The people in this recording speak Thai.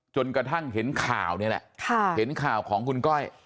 จนกระทั่งเห็นข่าวนี่แหละเห็นข่าวของคุณก้อย